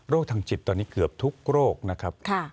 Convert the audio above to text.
ทางจิตตอนนี้เกือบทุกโรคนะครับ